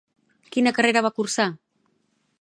Quina carrera va cursar?